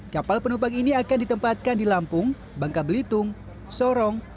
kapal penumpang ini akan ditempatkan di lampung bangka belitung sorong